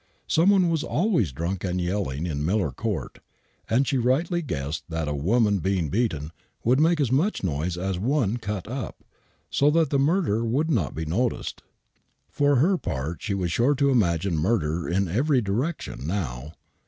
Some one was always drunk and yelling in Miller Court, and she rightly guessed that a woman being beaten would make as much noise as one cut up, so that the murder would not be noticed. For her part she was sure to imagine murder in every direction now.